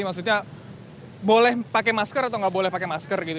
maksudnya boleh pakai masker atau nggak boleh pakai masker gitu